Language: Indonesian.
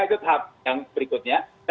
itu tahap yang berikutnya